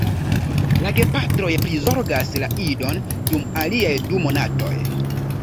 La gepatroj prizorgas la idon dum aliaj du monatoj.